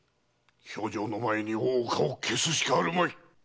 評定の前に大岡を消すしかあるまい！